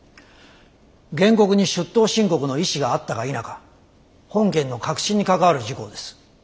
原告に出頭申告の意思があったか否か本件の核心に関わる事項です。